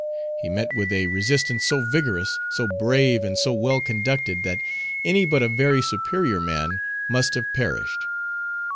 He met with a resistance so vigorous, so brave, and so well conducted, that any but a very superior man must have perished.